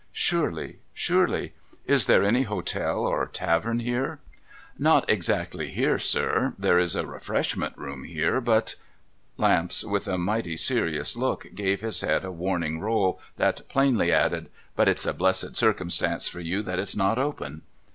' Surely, surely. Is there any hotel or tavern here ?'' Not exactly here, sir. There is a Refreshment Room here, but •' Lamps, v.'ith a mighty serious look, gave his head a warning roll that plainly added —' but it's a blessed circumstance for you that it's not open.'